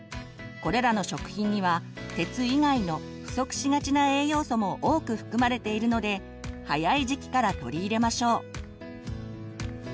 これらの食品には鉄以外の不足しがちな栄養素も多く含まれているので早い時期から取り入れましょう。